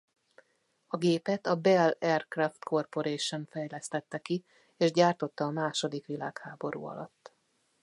A gépet a Bell Aircraft Corporation fejlesztette ki és gyártotta a második világháború alatt.